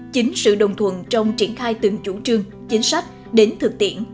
chính sự đồng thuận trong triển khai từng chủ trương chính sách đến thực tiễn